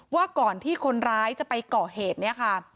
ว่าก่อนที่คนร้ายจะไปก่อเหตุเนี่ยค่ะ